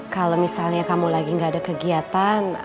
kalo misalnya kamu lagi gak ada kegiatan